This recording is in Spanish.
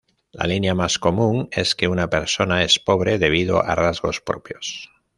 La línea más común es que una persona es pobre debido a rasgos propios.